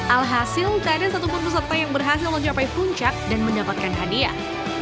alhasil tidak ada satu pun peserta yang berhasil mencapai puncak dan mendapatkan hadiah